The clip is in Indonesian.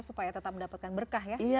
supaya tetap mendapatkan berkah